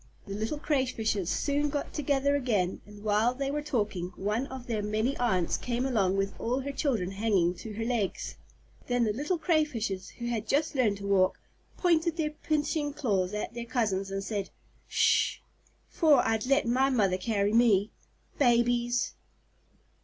The little Crayfishes soon got together again, and while they were talking, one of their many aunts came along with all her children hanging to her legs. Then the little Crayfishes who had just learned to walk, pointed their pinching claws at their cousins, and said, "Sh h h! 'Fore I'd let my mother carry me! Babies!"